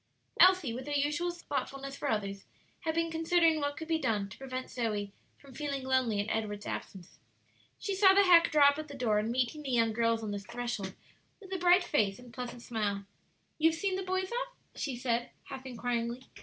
Elsie, with her usual thoughtfulness for others, had been considering what could be done to prevent Zoe from feeling lonely in Edward's absence. She saw the hack draw up at the door, and meeting the young girls on the threshold with a bright face and pleasant smile: "You have seen the boys off?" she said, half inquiringly.